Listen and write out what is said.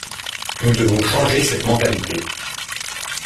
Nous devons changer cette mentalité.